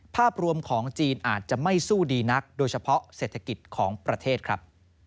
ภาพรวมของจีนอาจจะไม่สู้ดีนักโดยเฉพาะเศรษฐกิจของประเทศครับ